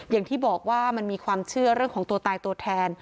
อย่างที่บอกว่ามันมีความเชื่อเรื่องของตัวตายตัวแทน